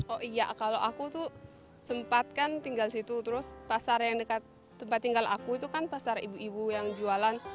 oh iya kalau aku tuh sempat kan tinggal situ terus pasar yang dekat tempat tinggal aku itu kan pasar ibu ibu yang jualan